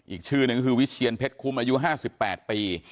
อีกชื่อนึงก็คือวิเชียนเพชรคุ้มอายุ๕๘ปี